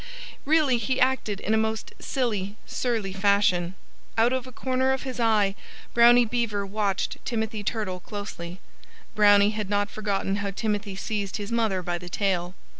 Really he acted in a most silly, surly fashion. Out of a corner of his eye Brownie Beaver watched Timothy Turtle closely. Brownie had not forgotten how Timothy seized his mother by the tail.